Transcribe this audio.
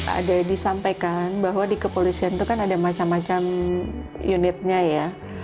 ada disampaikan bahwa di kepolisian itu kan ada macam macam unitnya ya